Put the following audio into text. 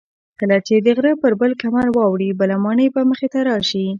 کله چې د غره پر بل کمر واوړې بله ماڼۍ به مخې ته راشي.